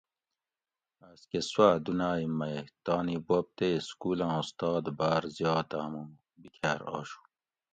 آسکہ سوا دنائے مے تانی بوب تے سکولاں استاد بار زیاد آمو بِکھار آشو